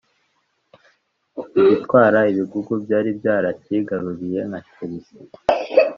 igitwara ibigugu byari byarakigaruriye nka Chelsea